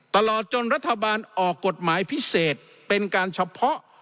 ตลอดจนรัฐบาลออกกฎหมายพิเศษเป็นการเฉพาะ